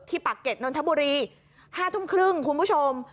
ปากเก็ตนนทบุรี๕ทุ่มครึ่งคุณผู้ชม